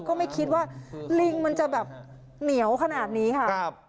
ก็ไม่คิดว่าลิงมันจะแบบเหนียวขนาดนี้ค่ะ